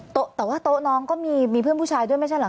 โต๊ะแต่ว่าโต๊ะน้องก็มีเพื่อนผู้ชายด้วยไม่ใช่เหรอค